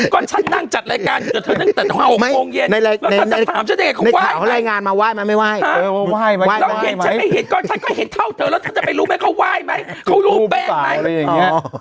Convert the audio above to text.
ก็ฉันนั่งจัดรายการอยู่กับเธอนั้นตั้งแต่๖โครงเย็น